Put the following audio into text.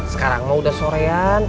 sekarang ma sudah sorean